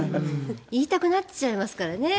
言いたくなっちゃいますからね。